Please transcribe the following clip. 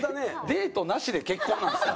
デートなしで結婚なんですか？